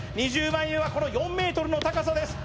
２０枚目はこの４ｍの高さです